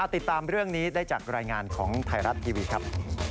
ติดตามเรื่องนี้ได้จากรายงานของไทยรัฐทีวีครับ